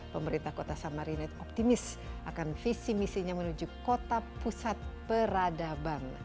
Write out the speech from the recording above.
pemerintah kota samarinda optimis akan visi misinya menuju kota pusat peradaban